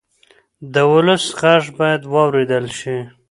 د ولس غږ باید واورېدل شي